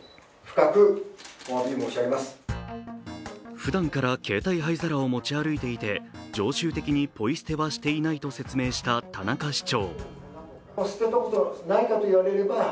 ふだんから携帯灰皿を持ち歩いていて、常習的にポイ捨てはしていないと説明した田中市長。